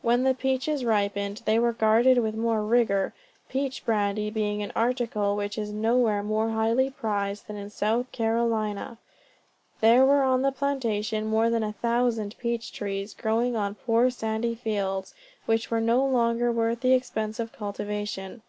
When the peaches ripened, they were guarded with more rigor peach brandy being an article which is nowhere more highly prized than in South Carolina. There were on the plantation more than a thousand peach trees, growing on poor sandy fields, which were no longer worth the expense of cultivation.